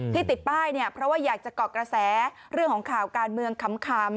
ติดป้ายเนี่ยเพราะว่าอยากจะเกาะกระแสเรื่องของข่าวการเมืองขำ